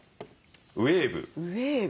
ウエーブ。